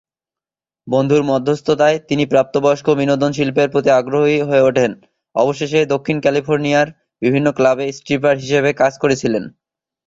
বন্ধুর মধ্যস্থতায় তিনি প্রাপ্তবয়স্ক বিনোদন শিল্পের প্রতি আগ্রহী হয়ে উঠেন, অবশেষে দক্ষিণ ক্যালিফোর্নিয়ার বিভিন্ন ক্লাবে স্ট্রিপার হিসাবে কাজ করেছিলেন।